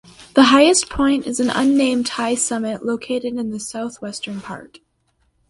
The highest point is an unnamed high summit located in the southwestern part.